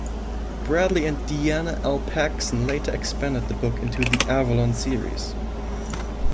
Bradley and Diana L. Paxson later expanded the book into the "Avalon" series.